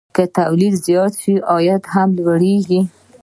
که تولید زیات شي، عاید هم لوړېږي.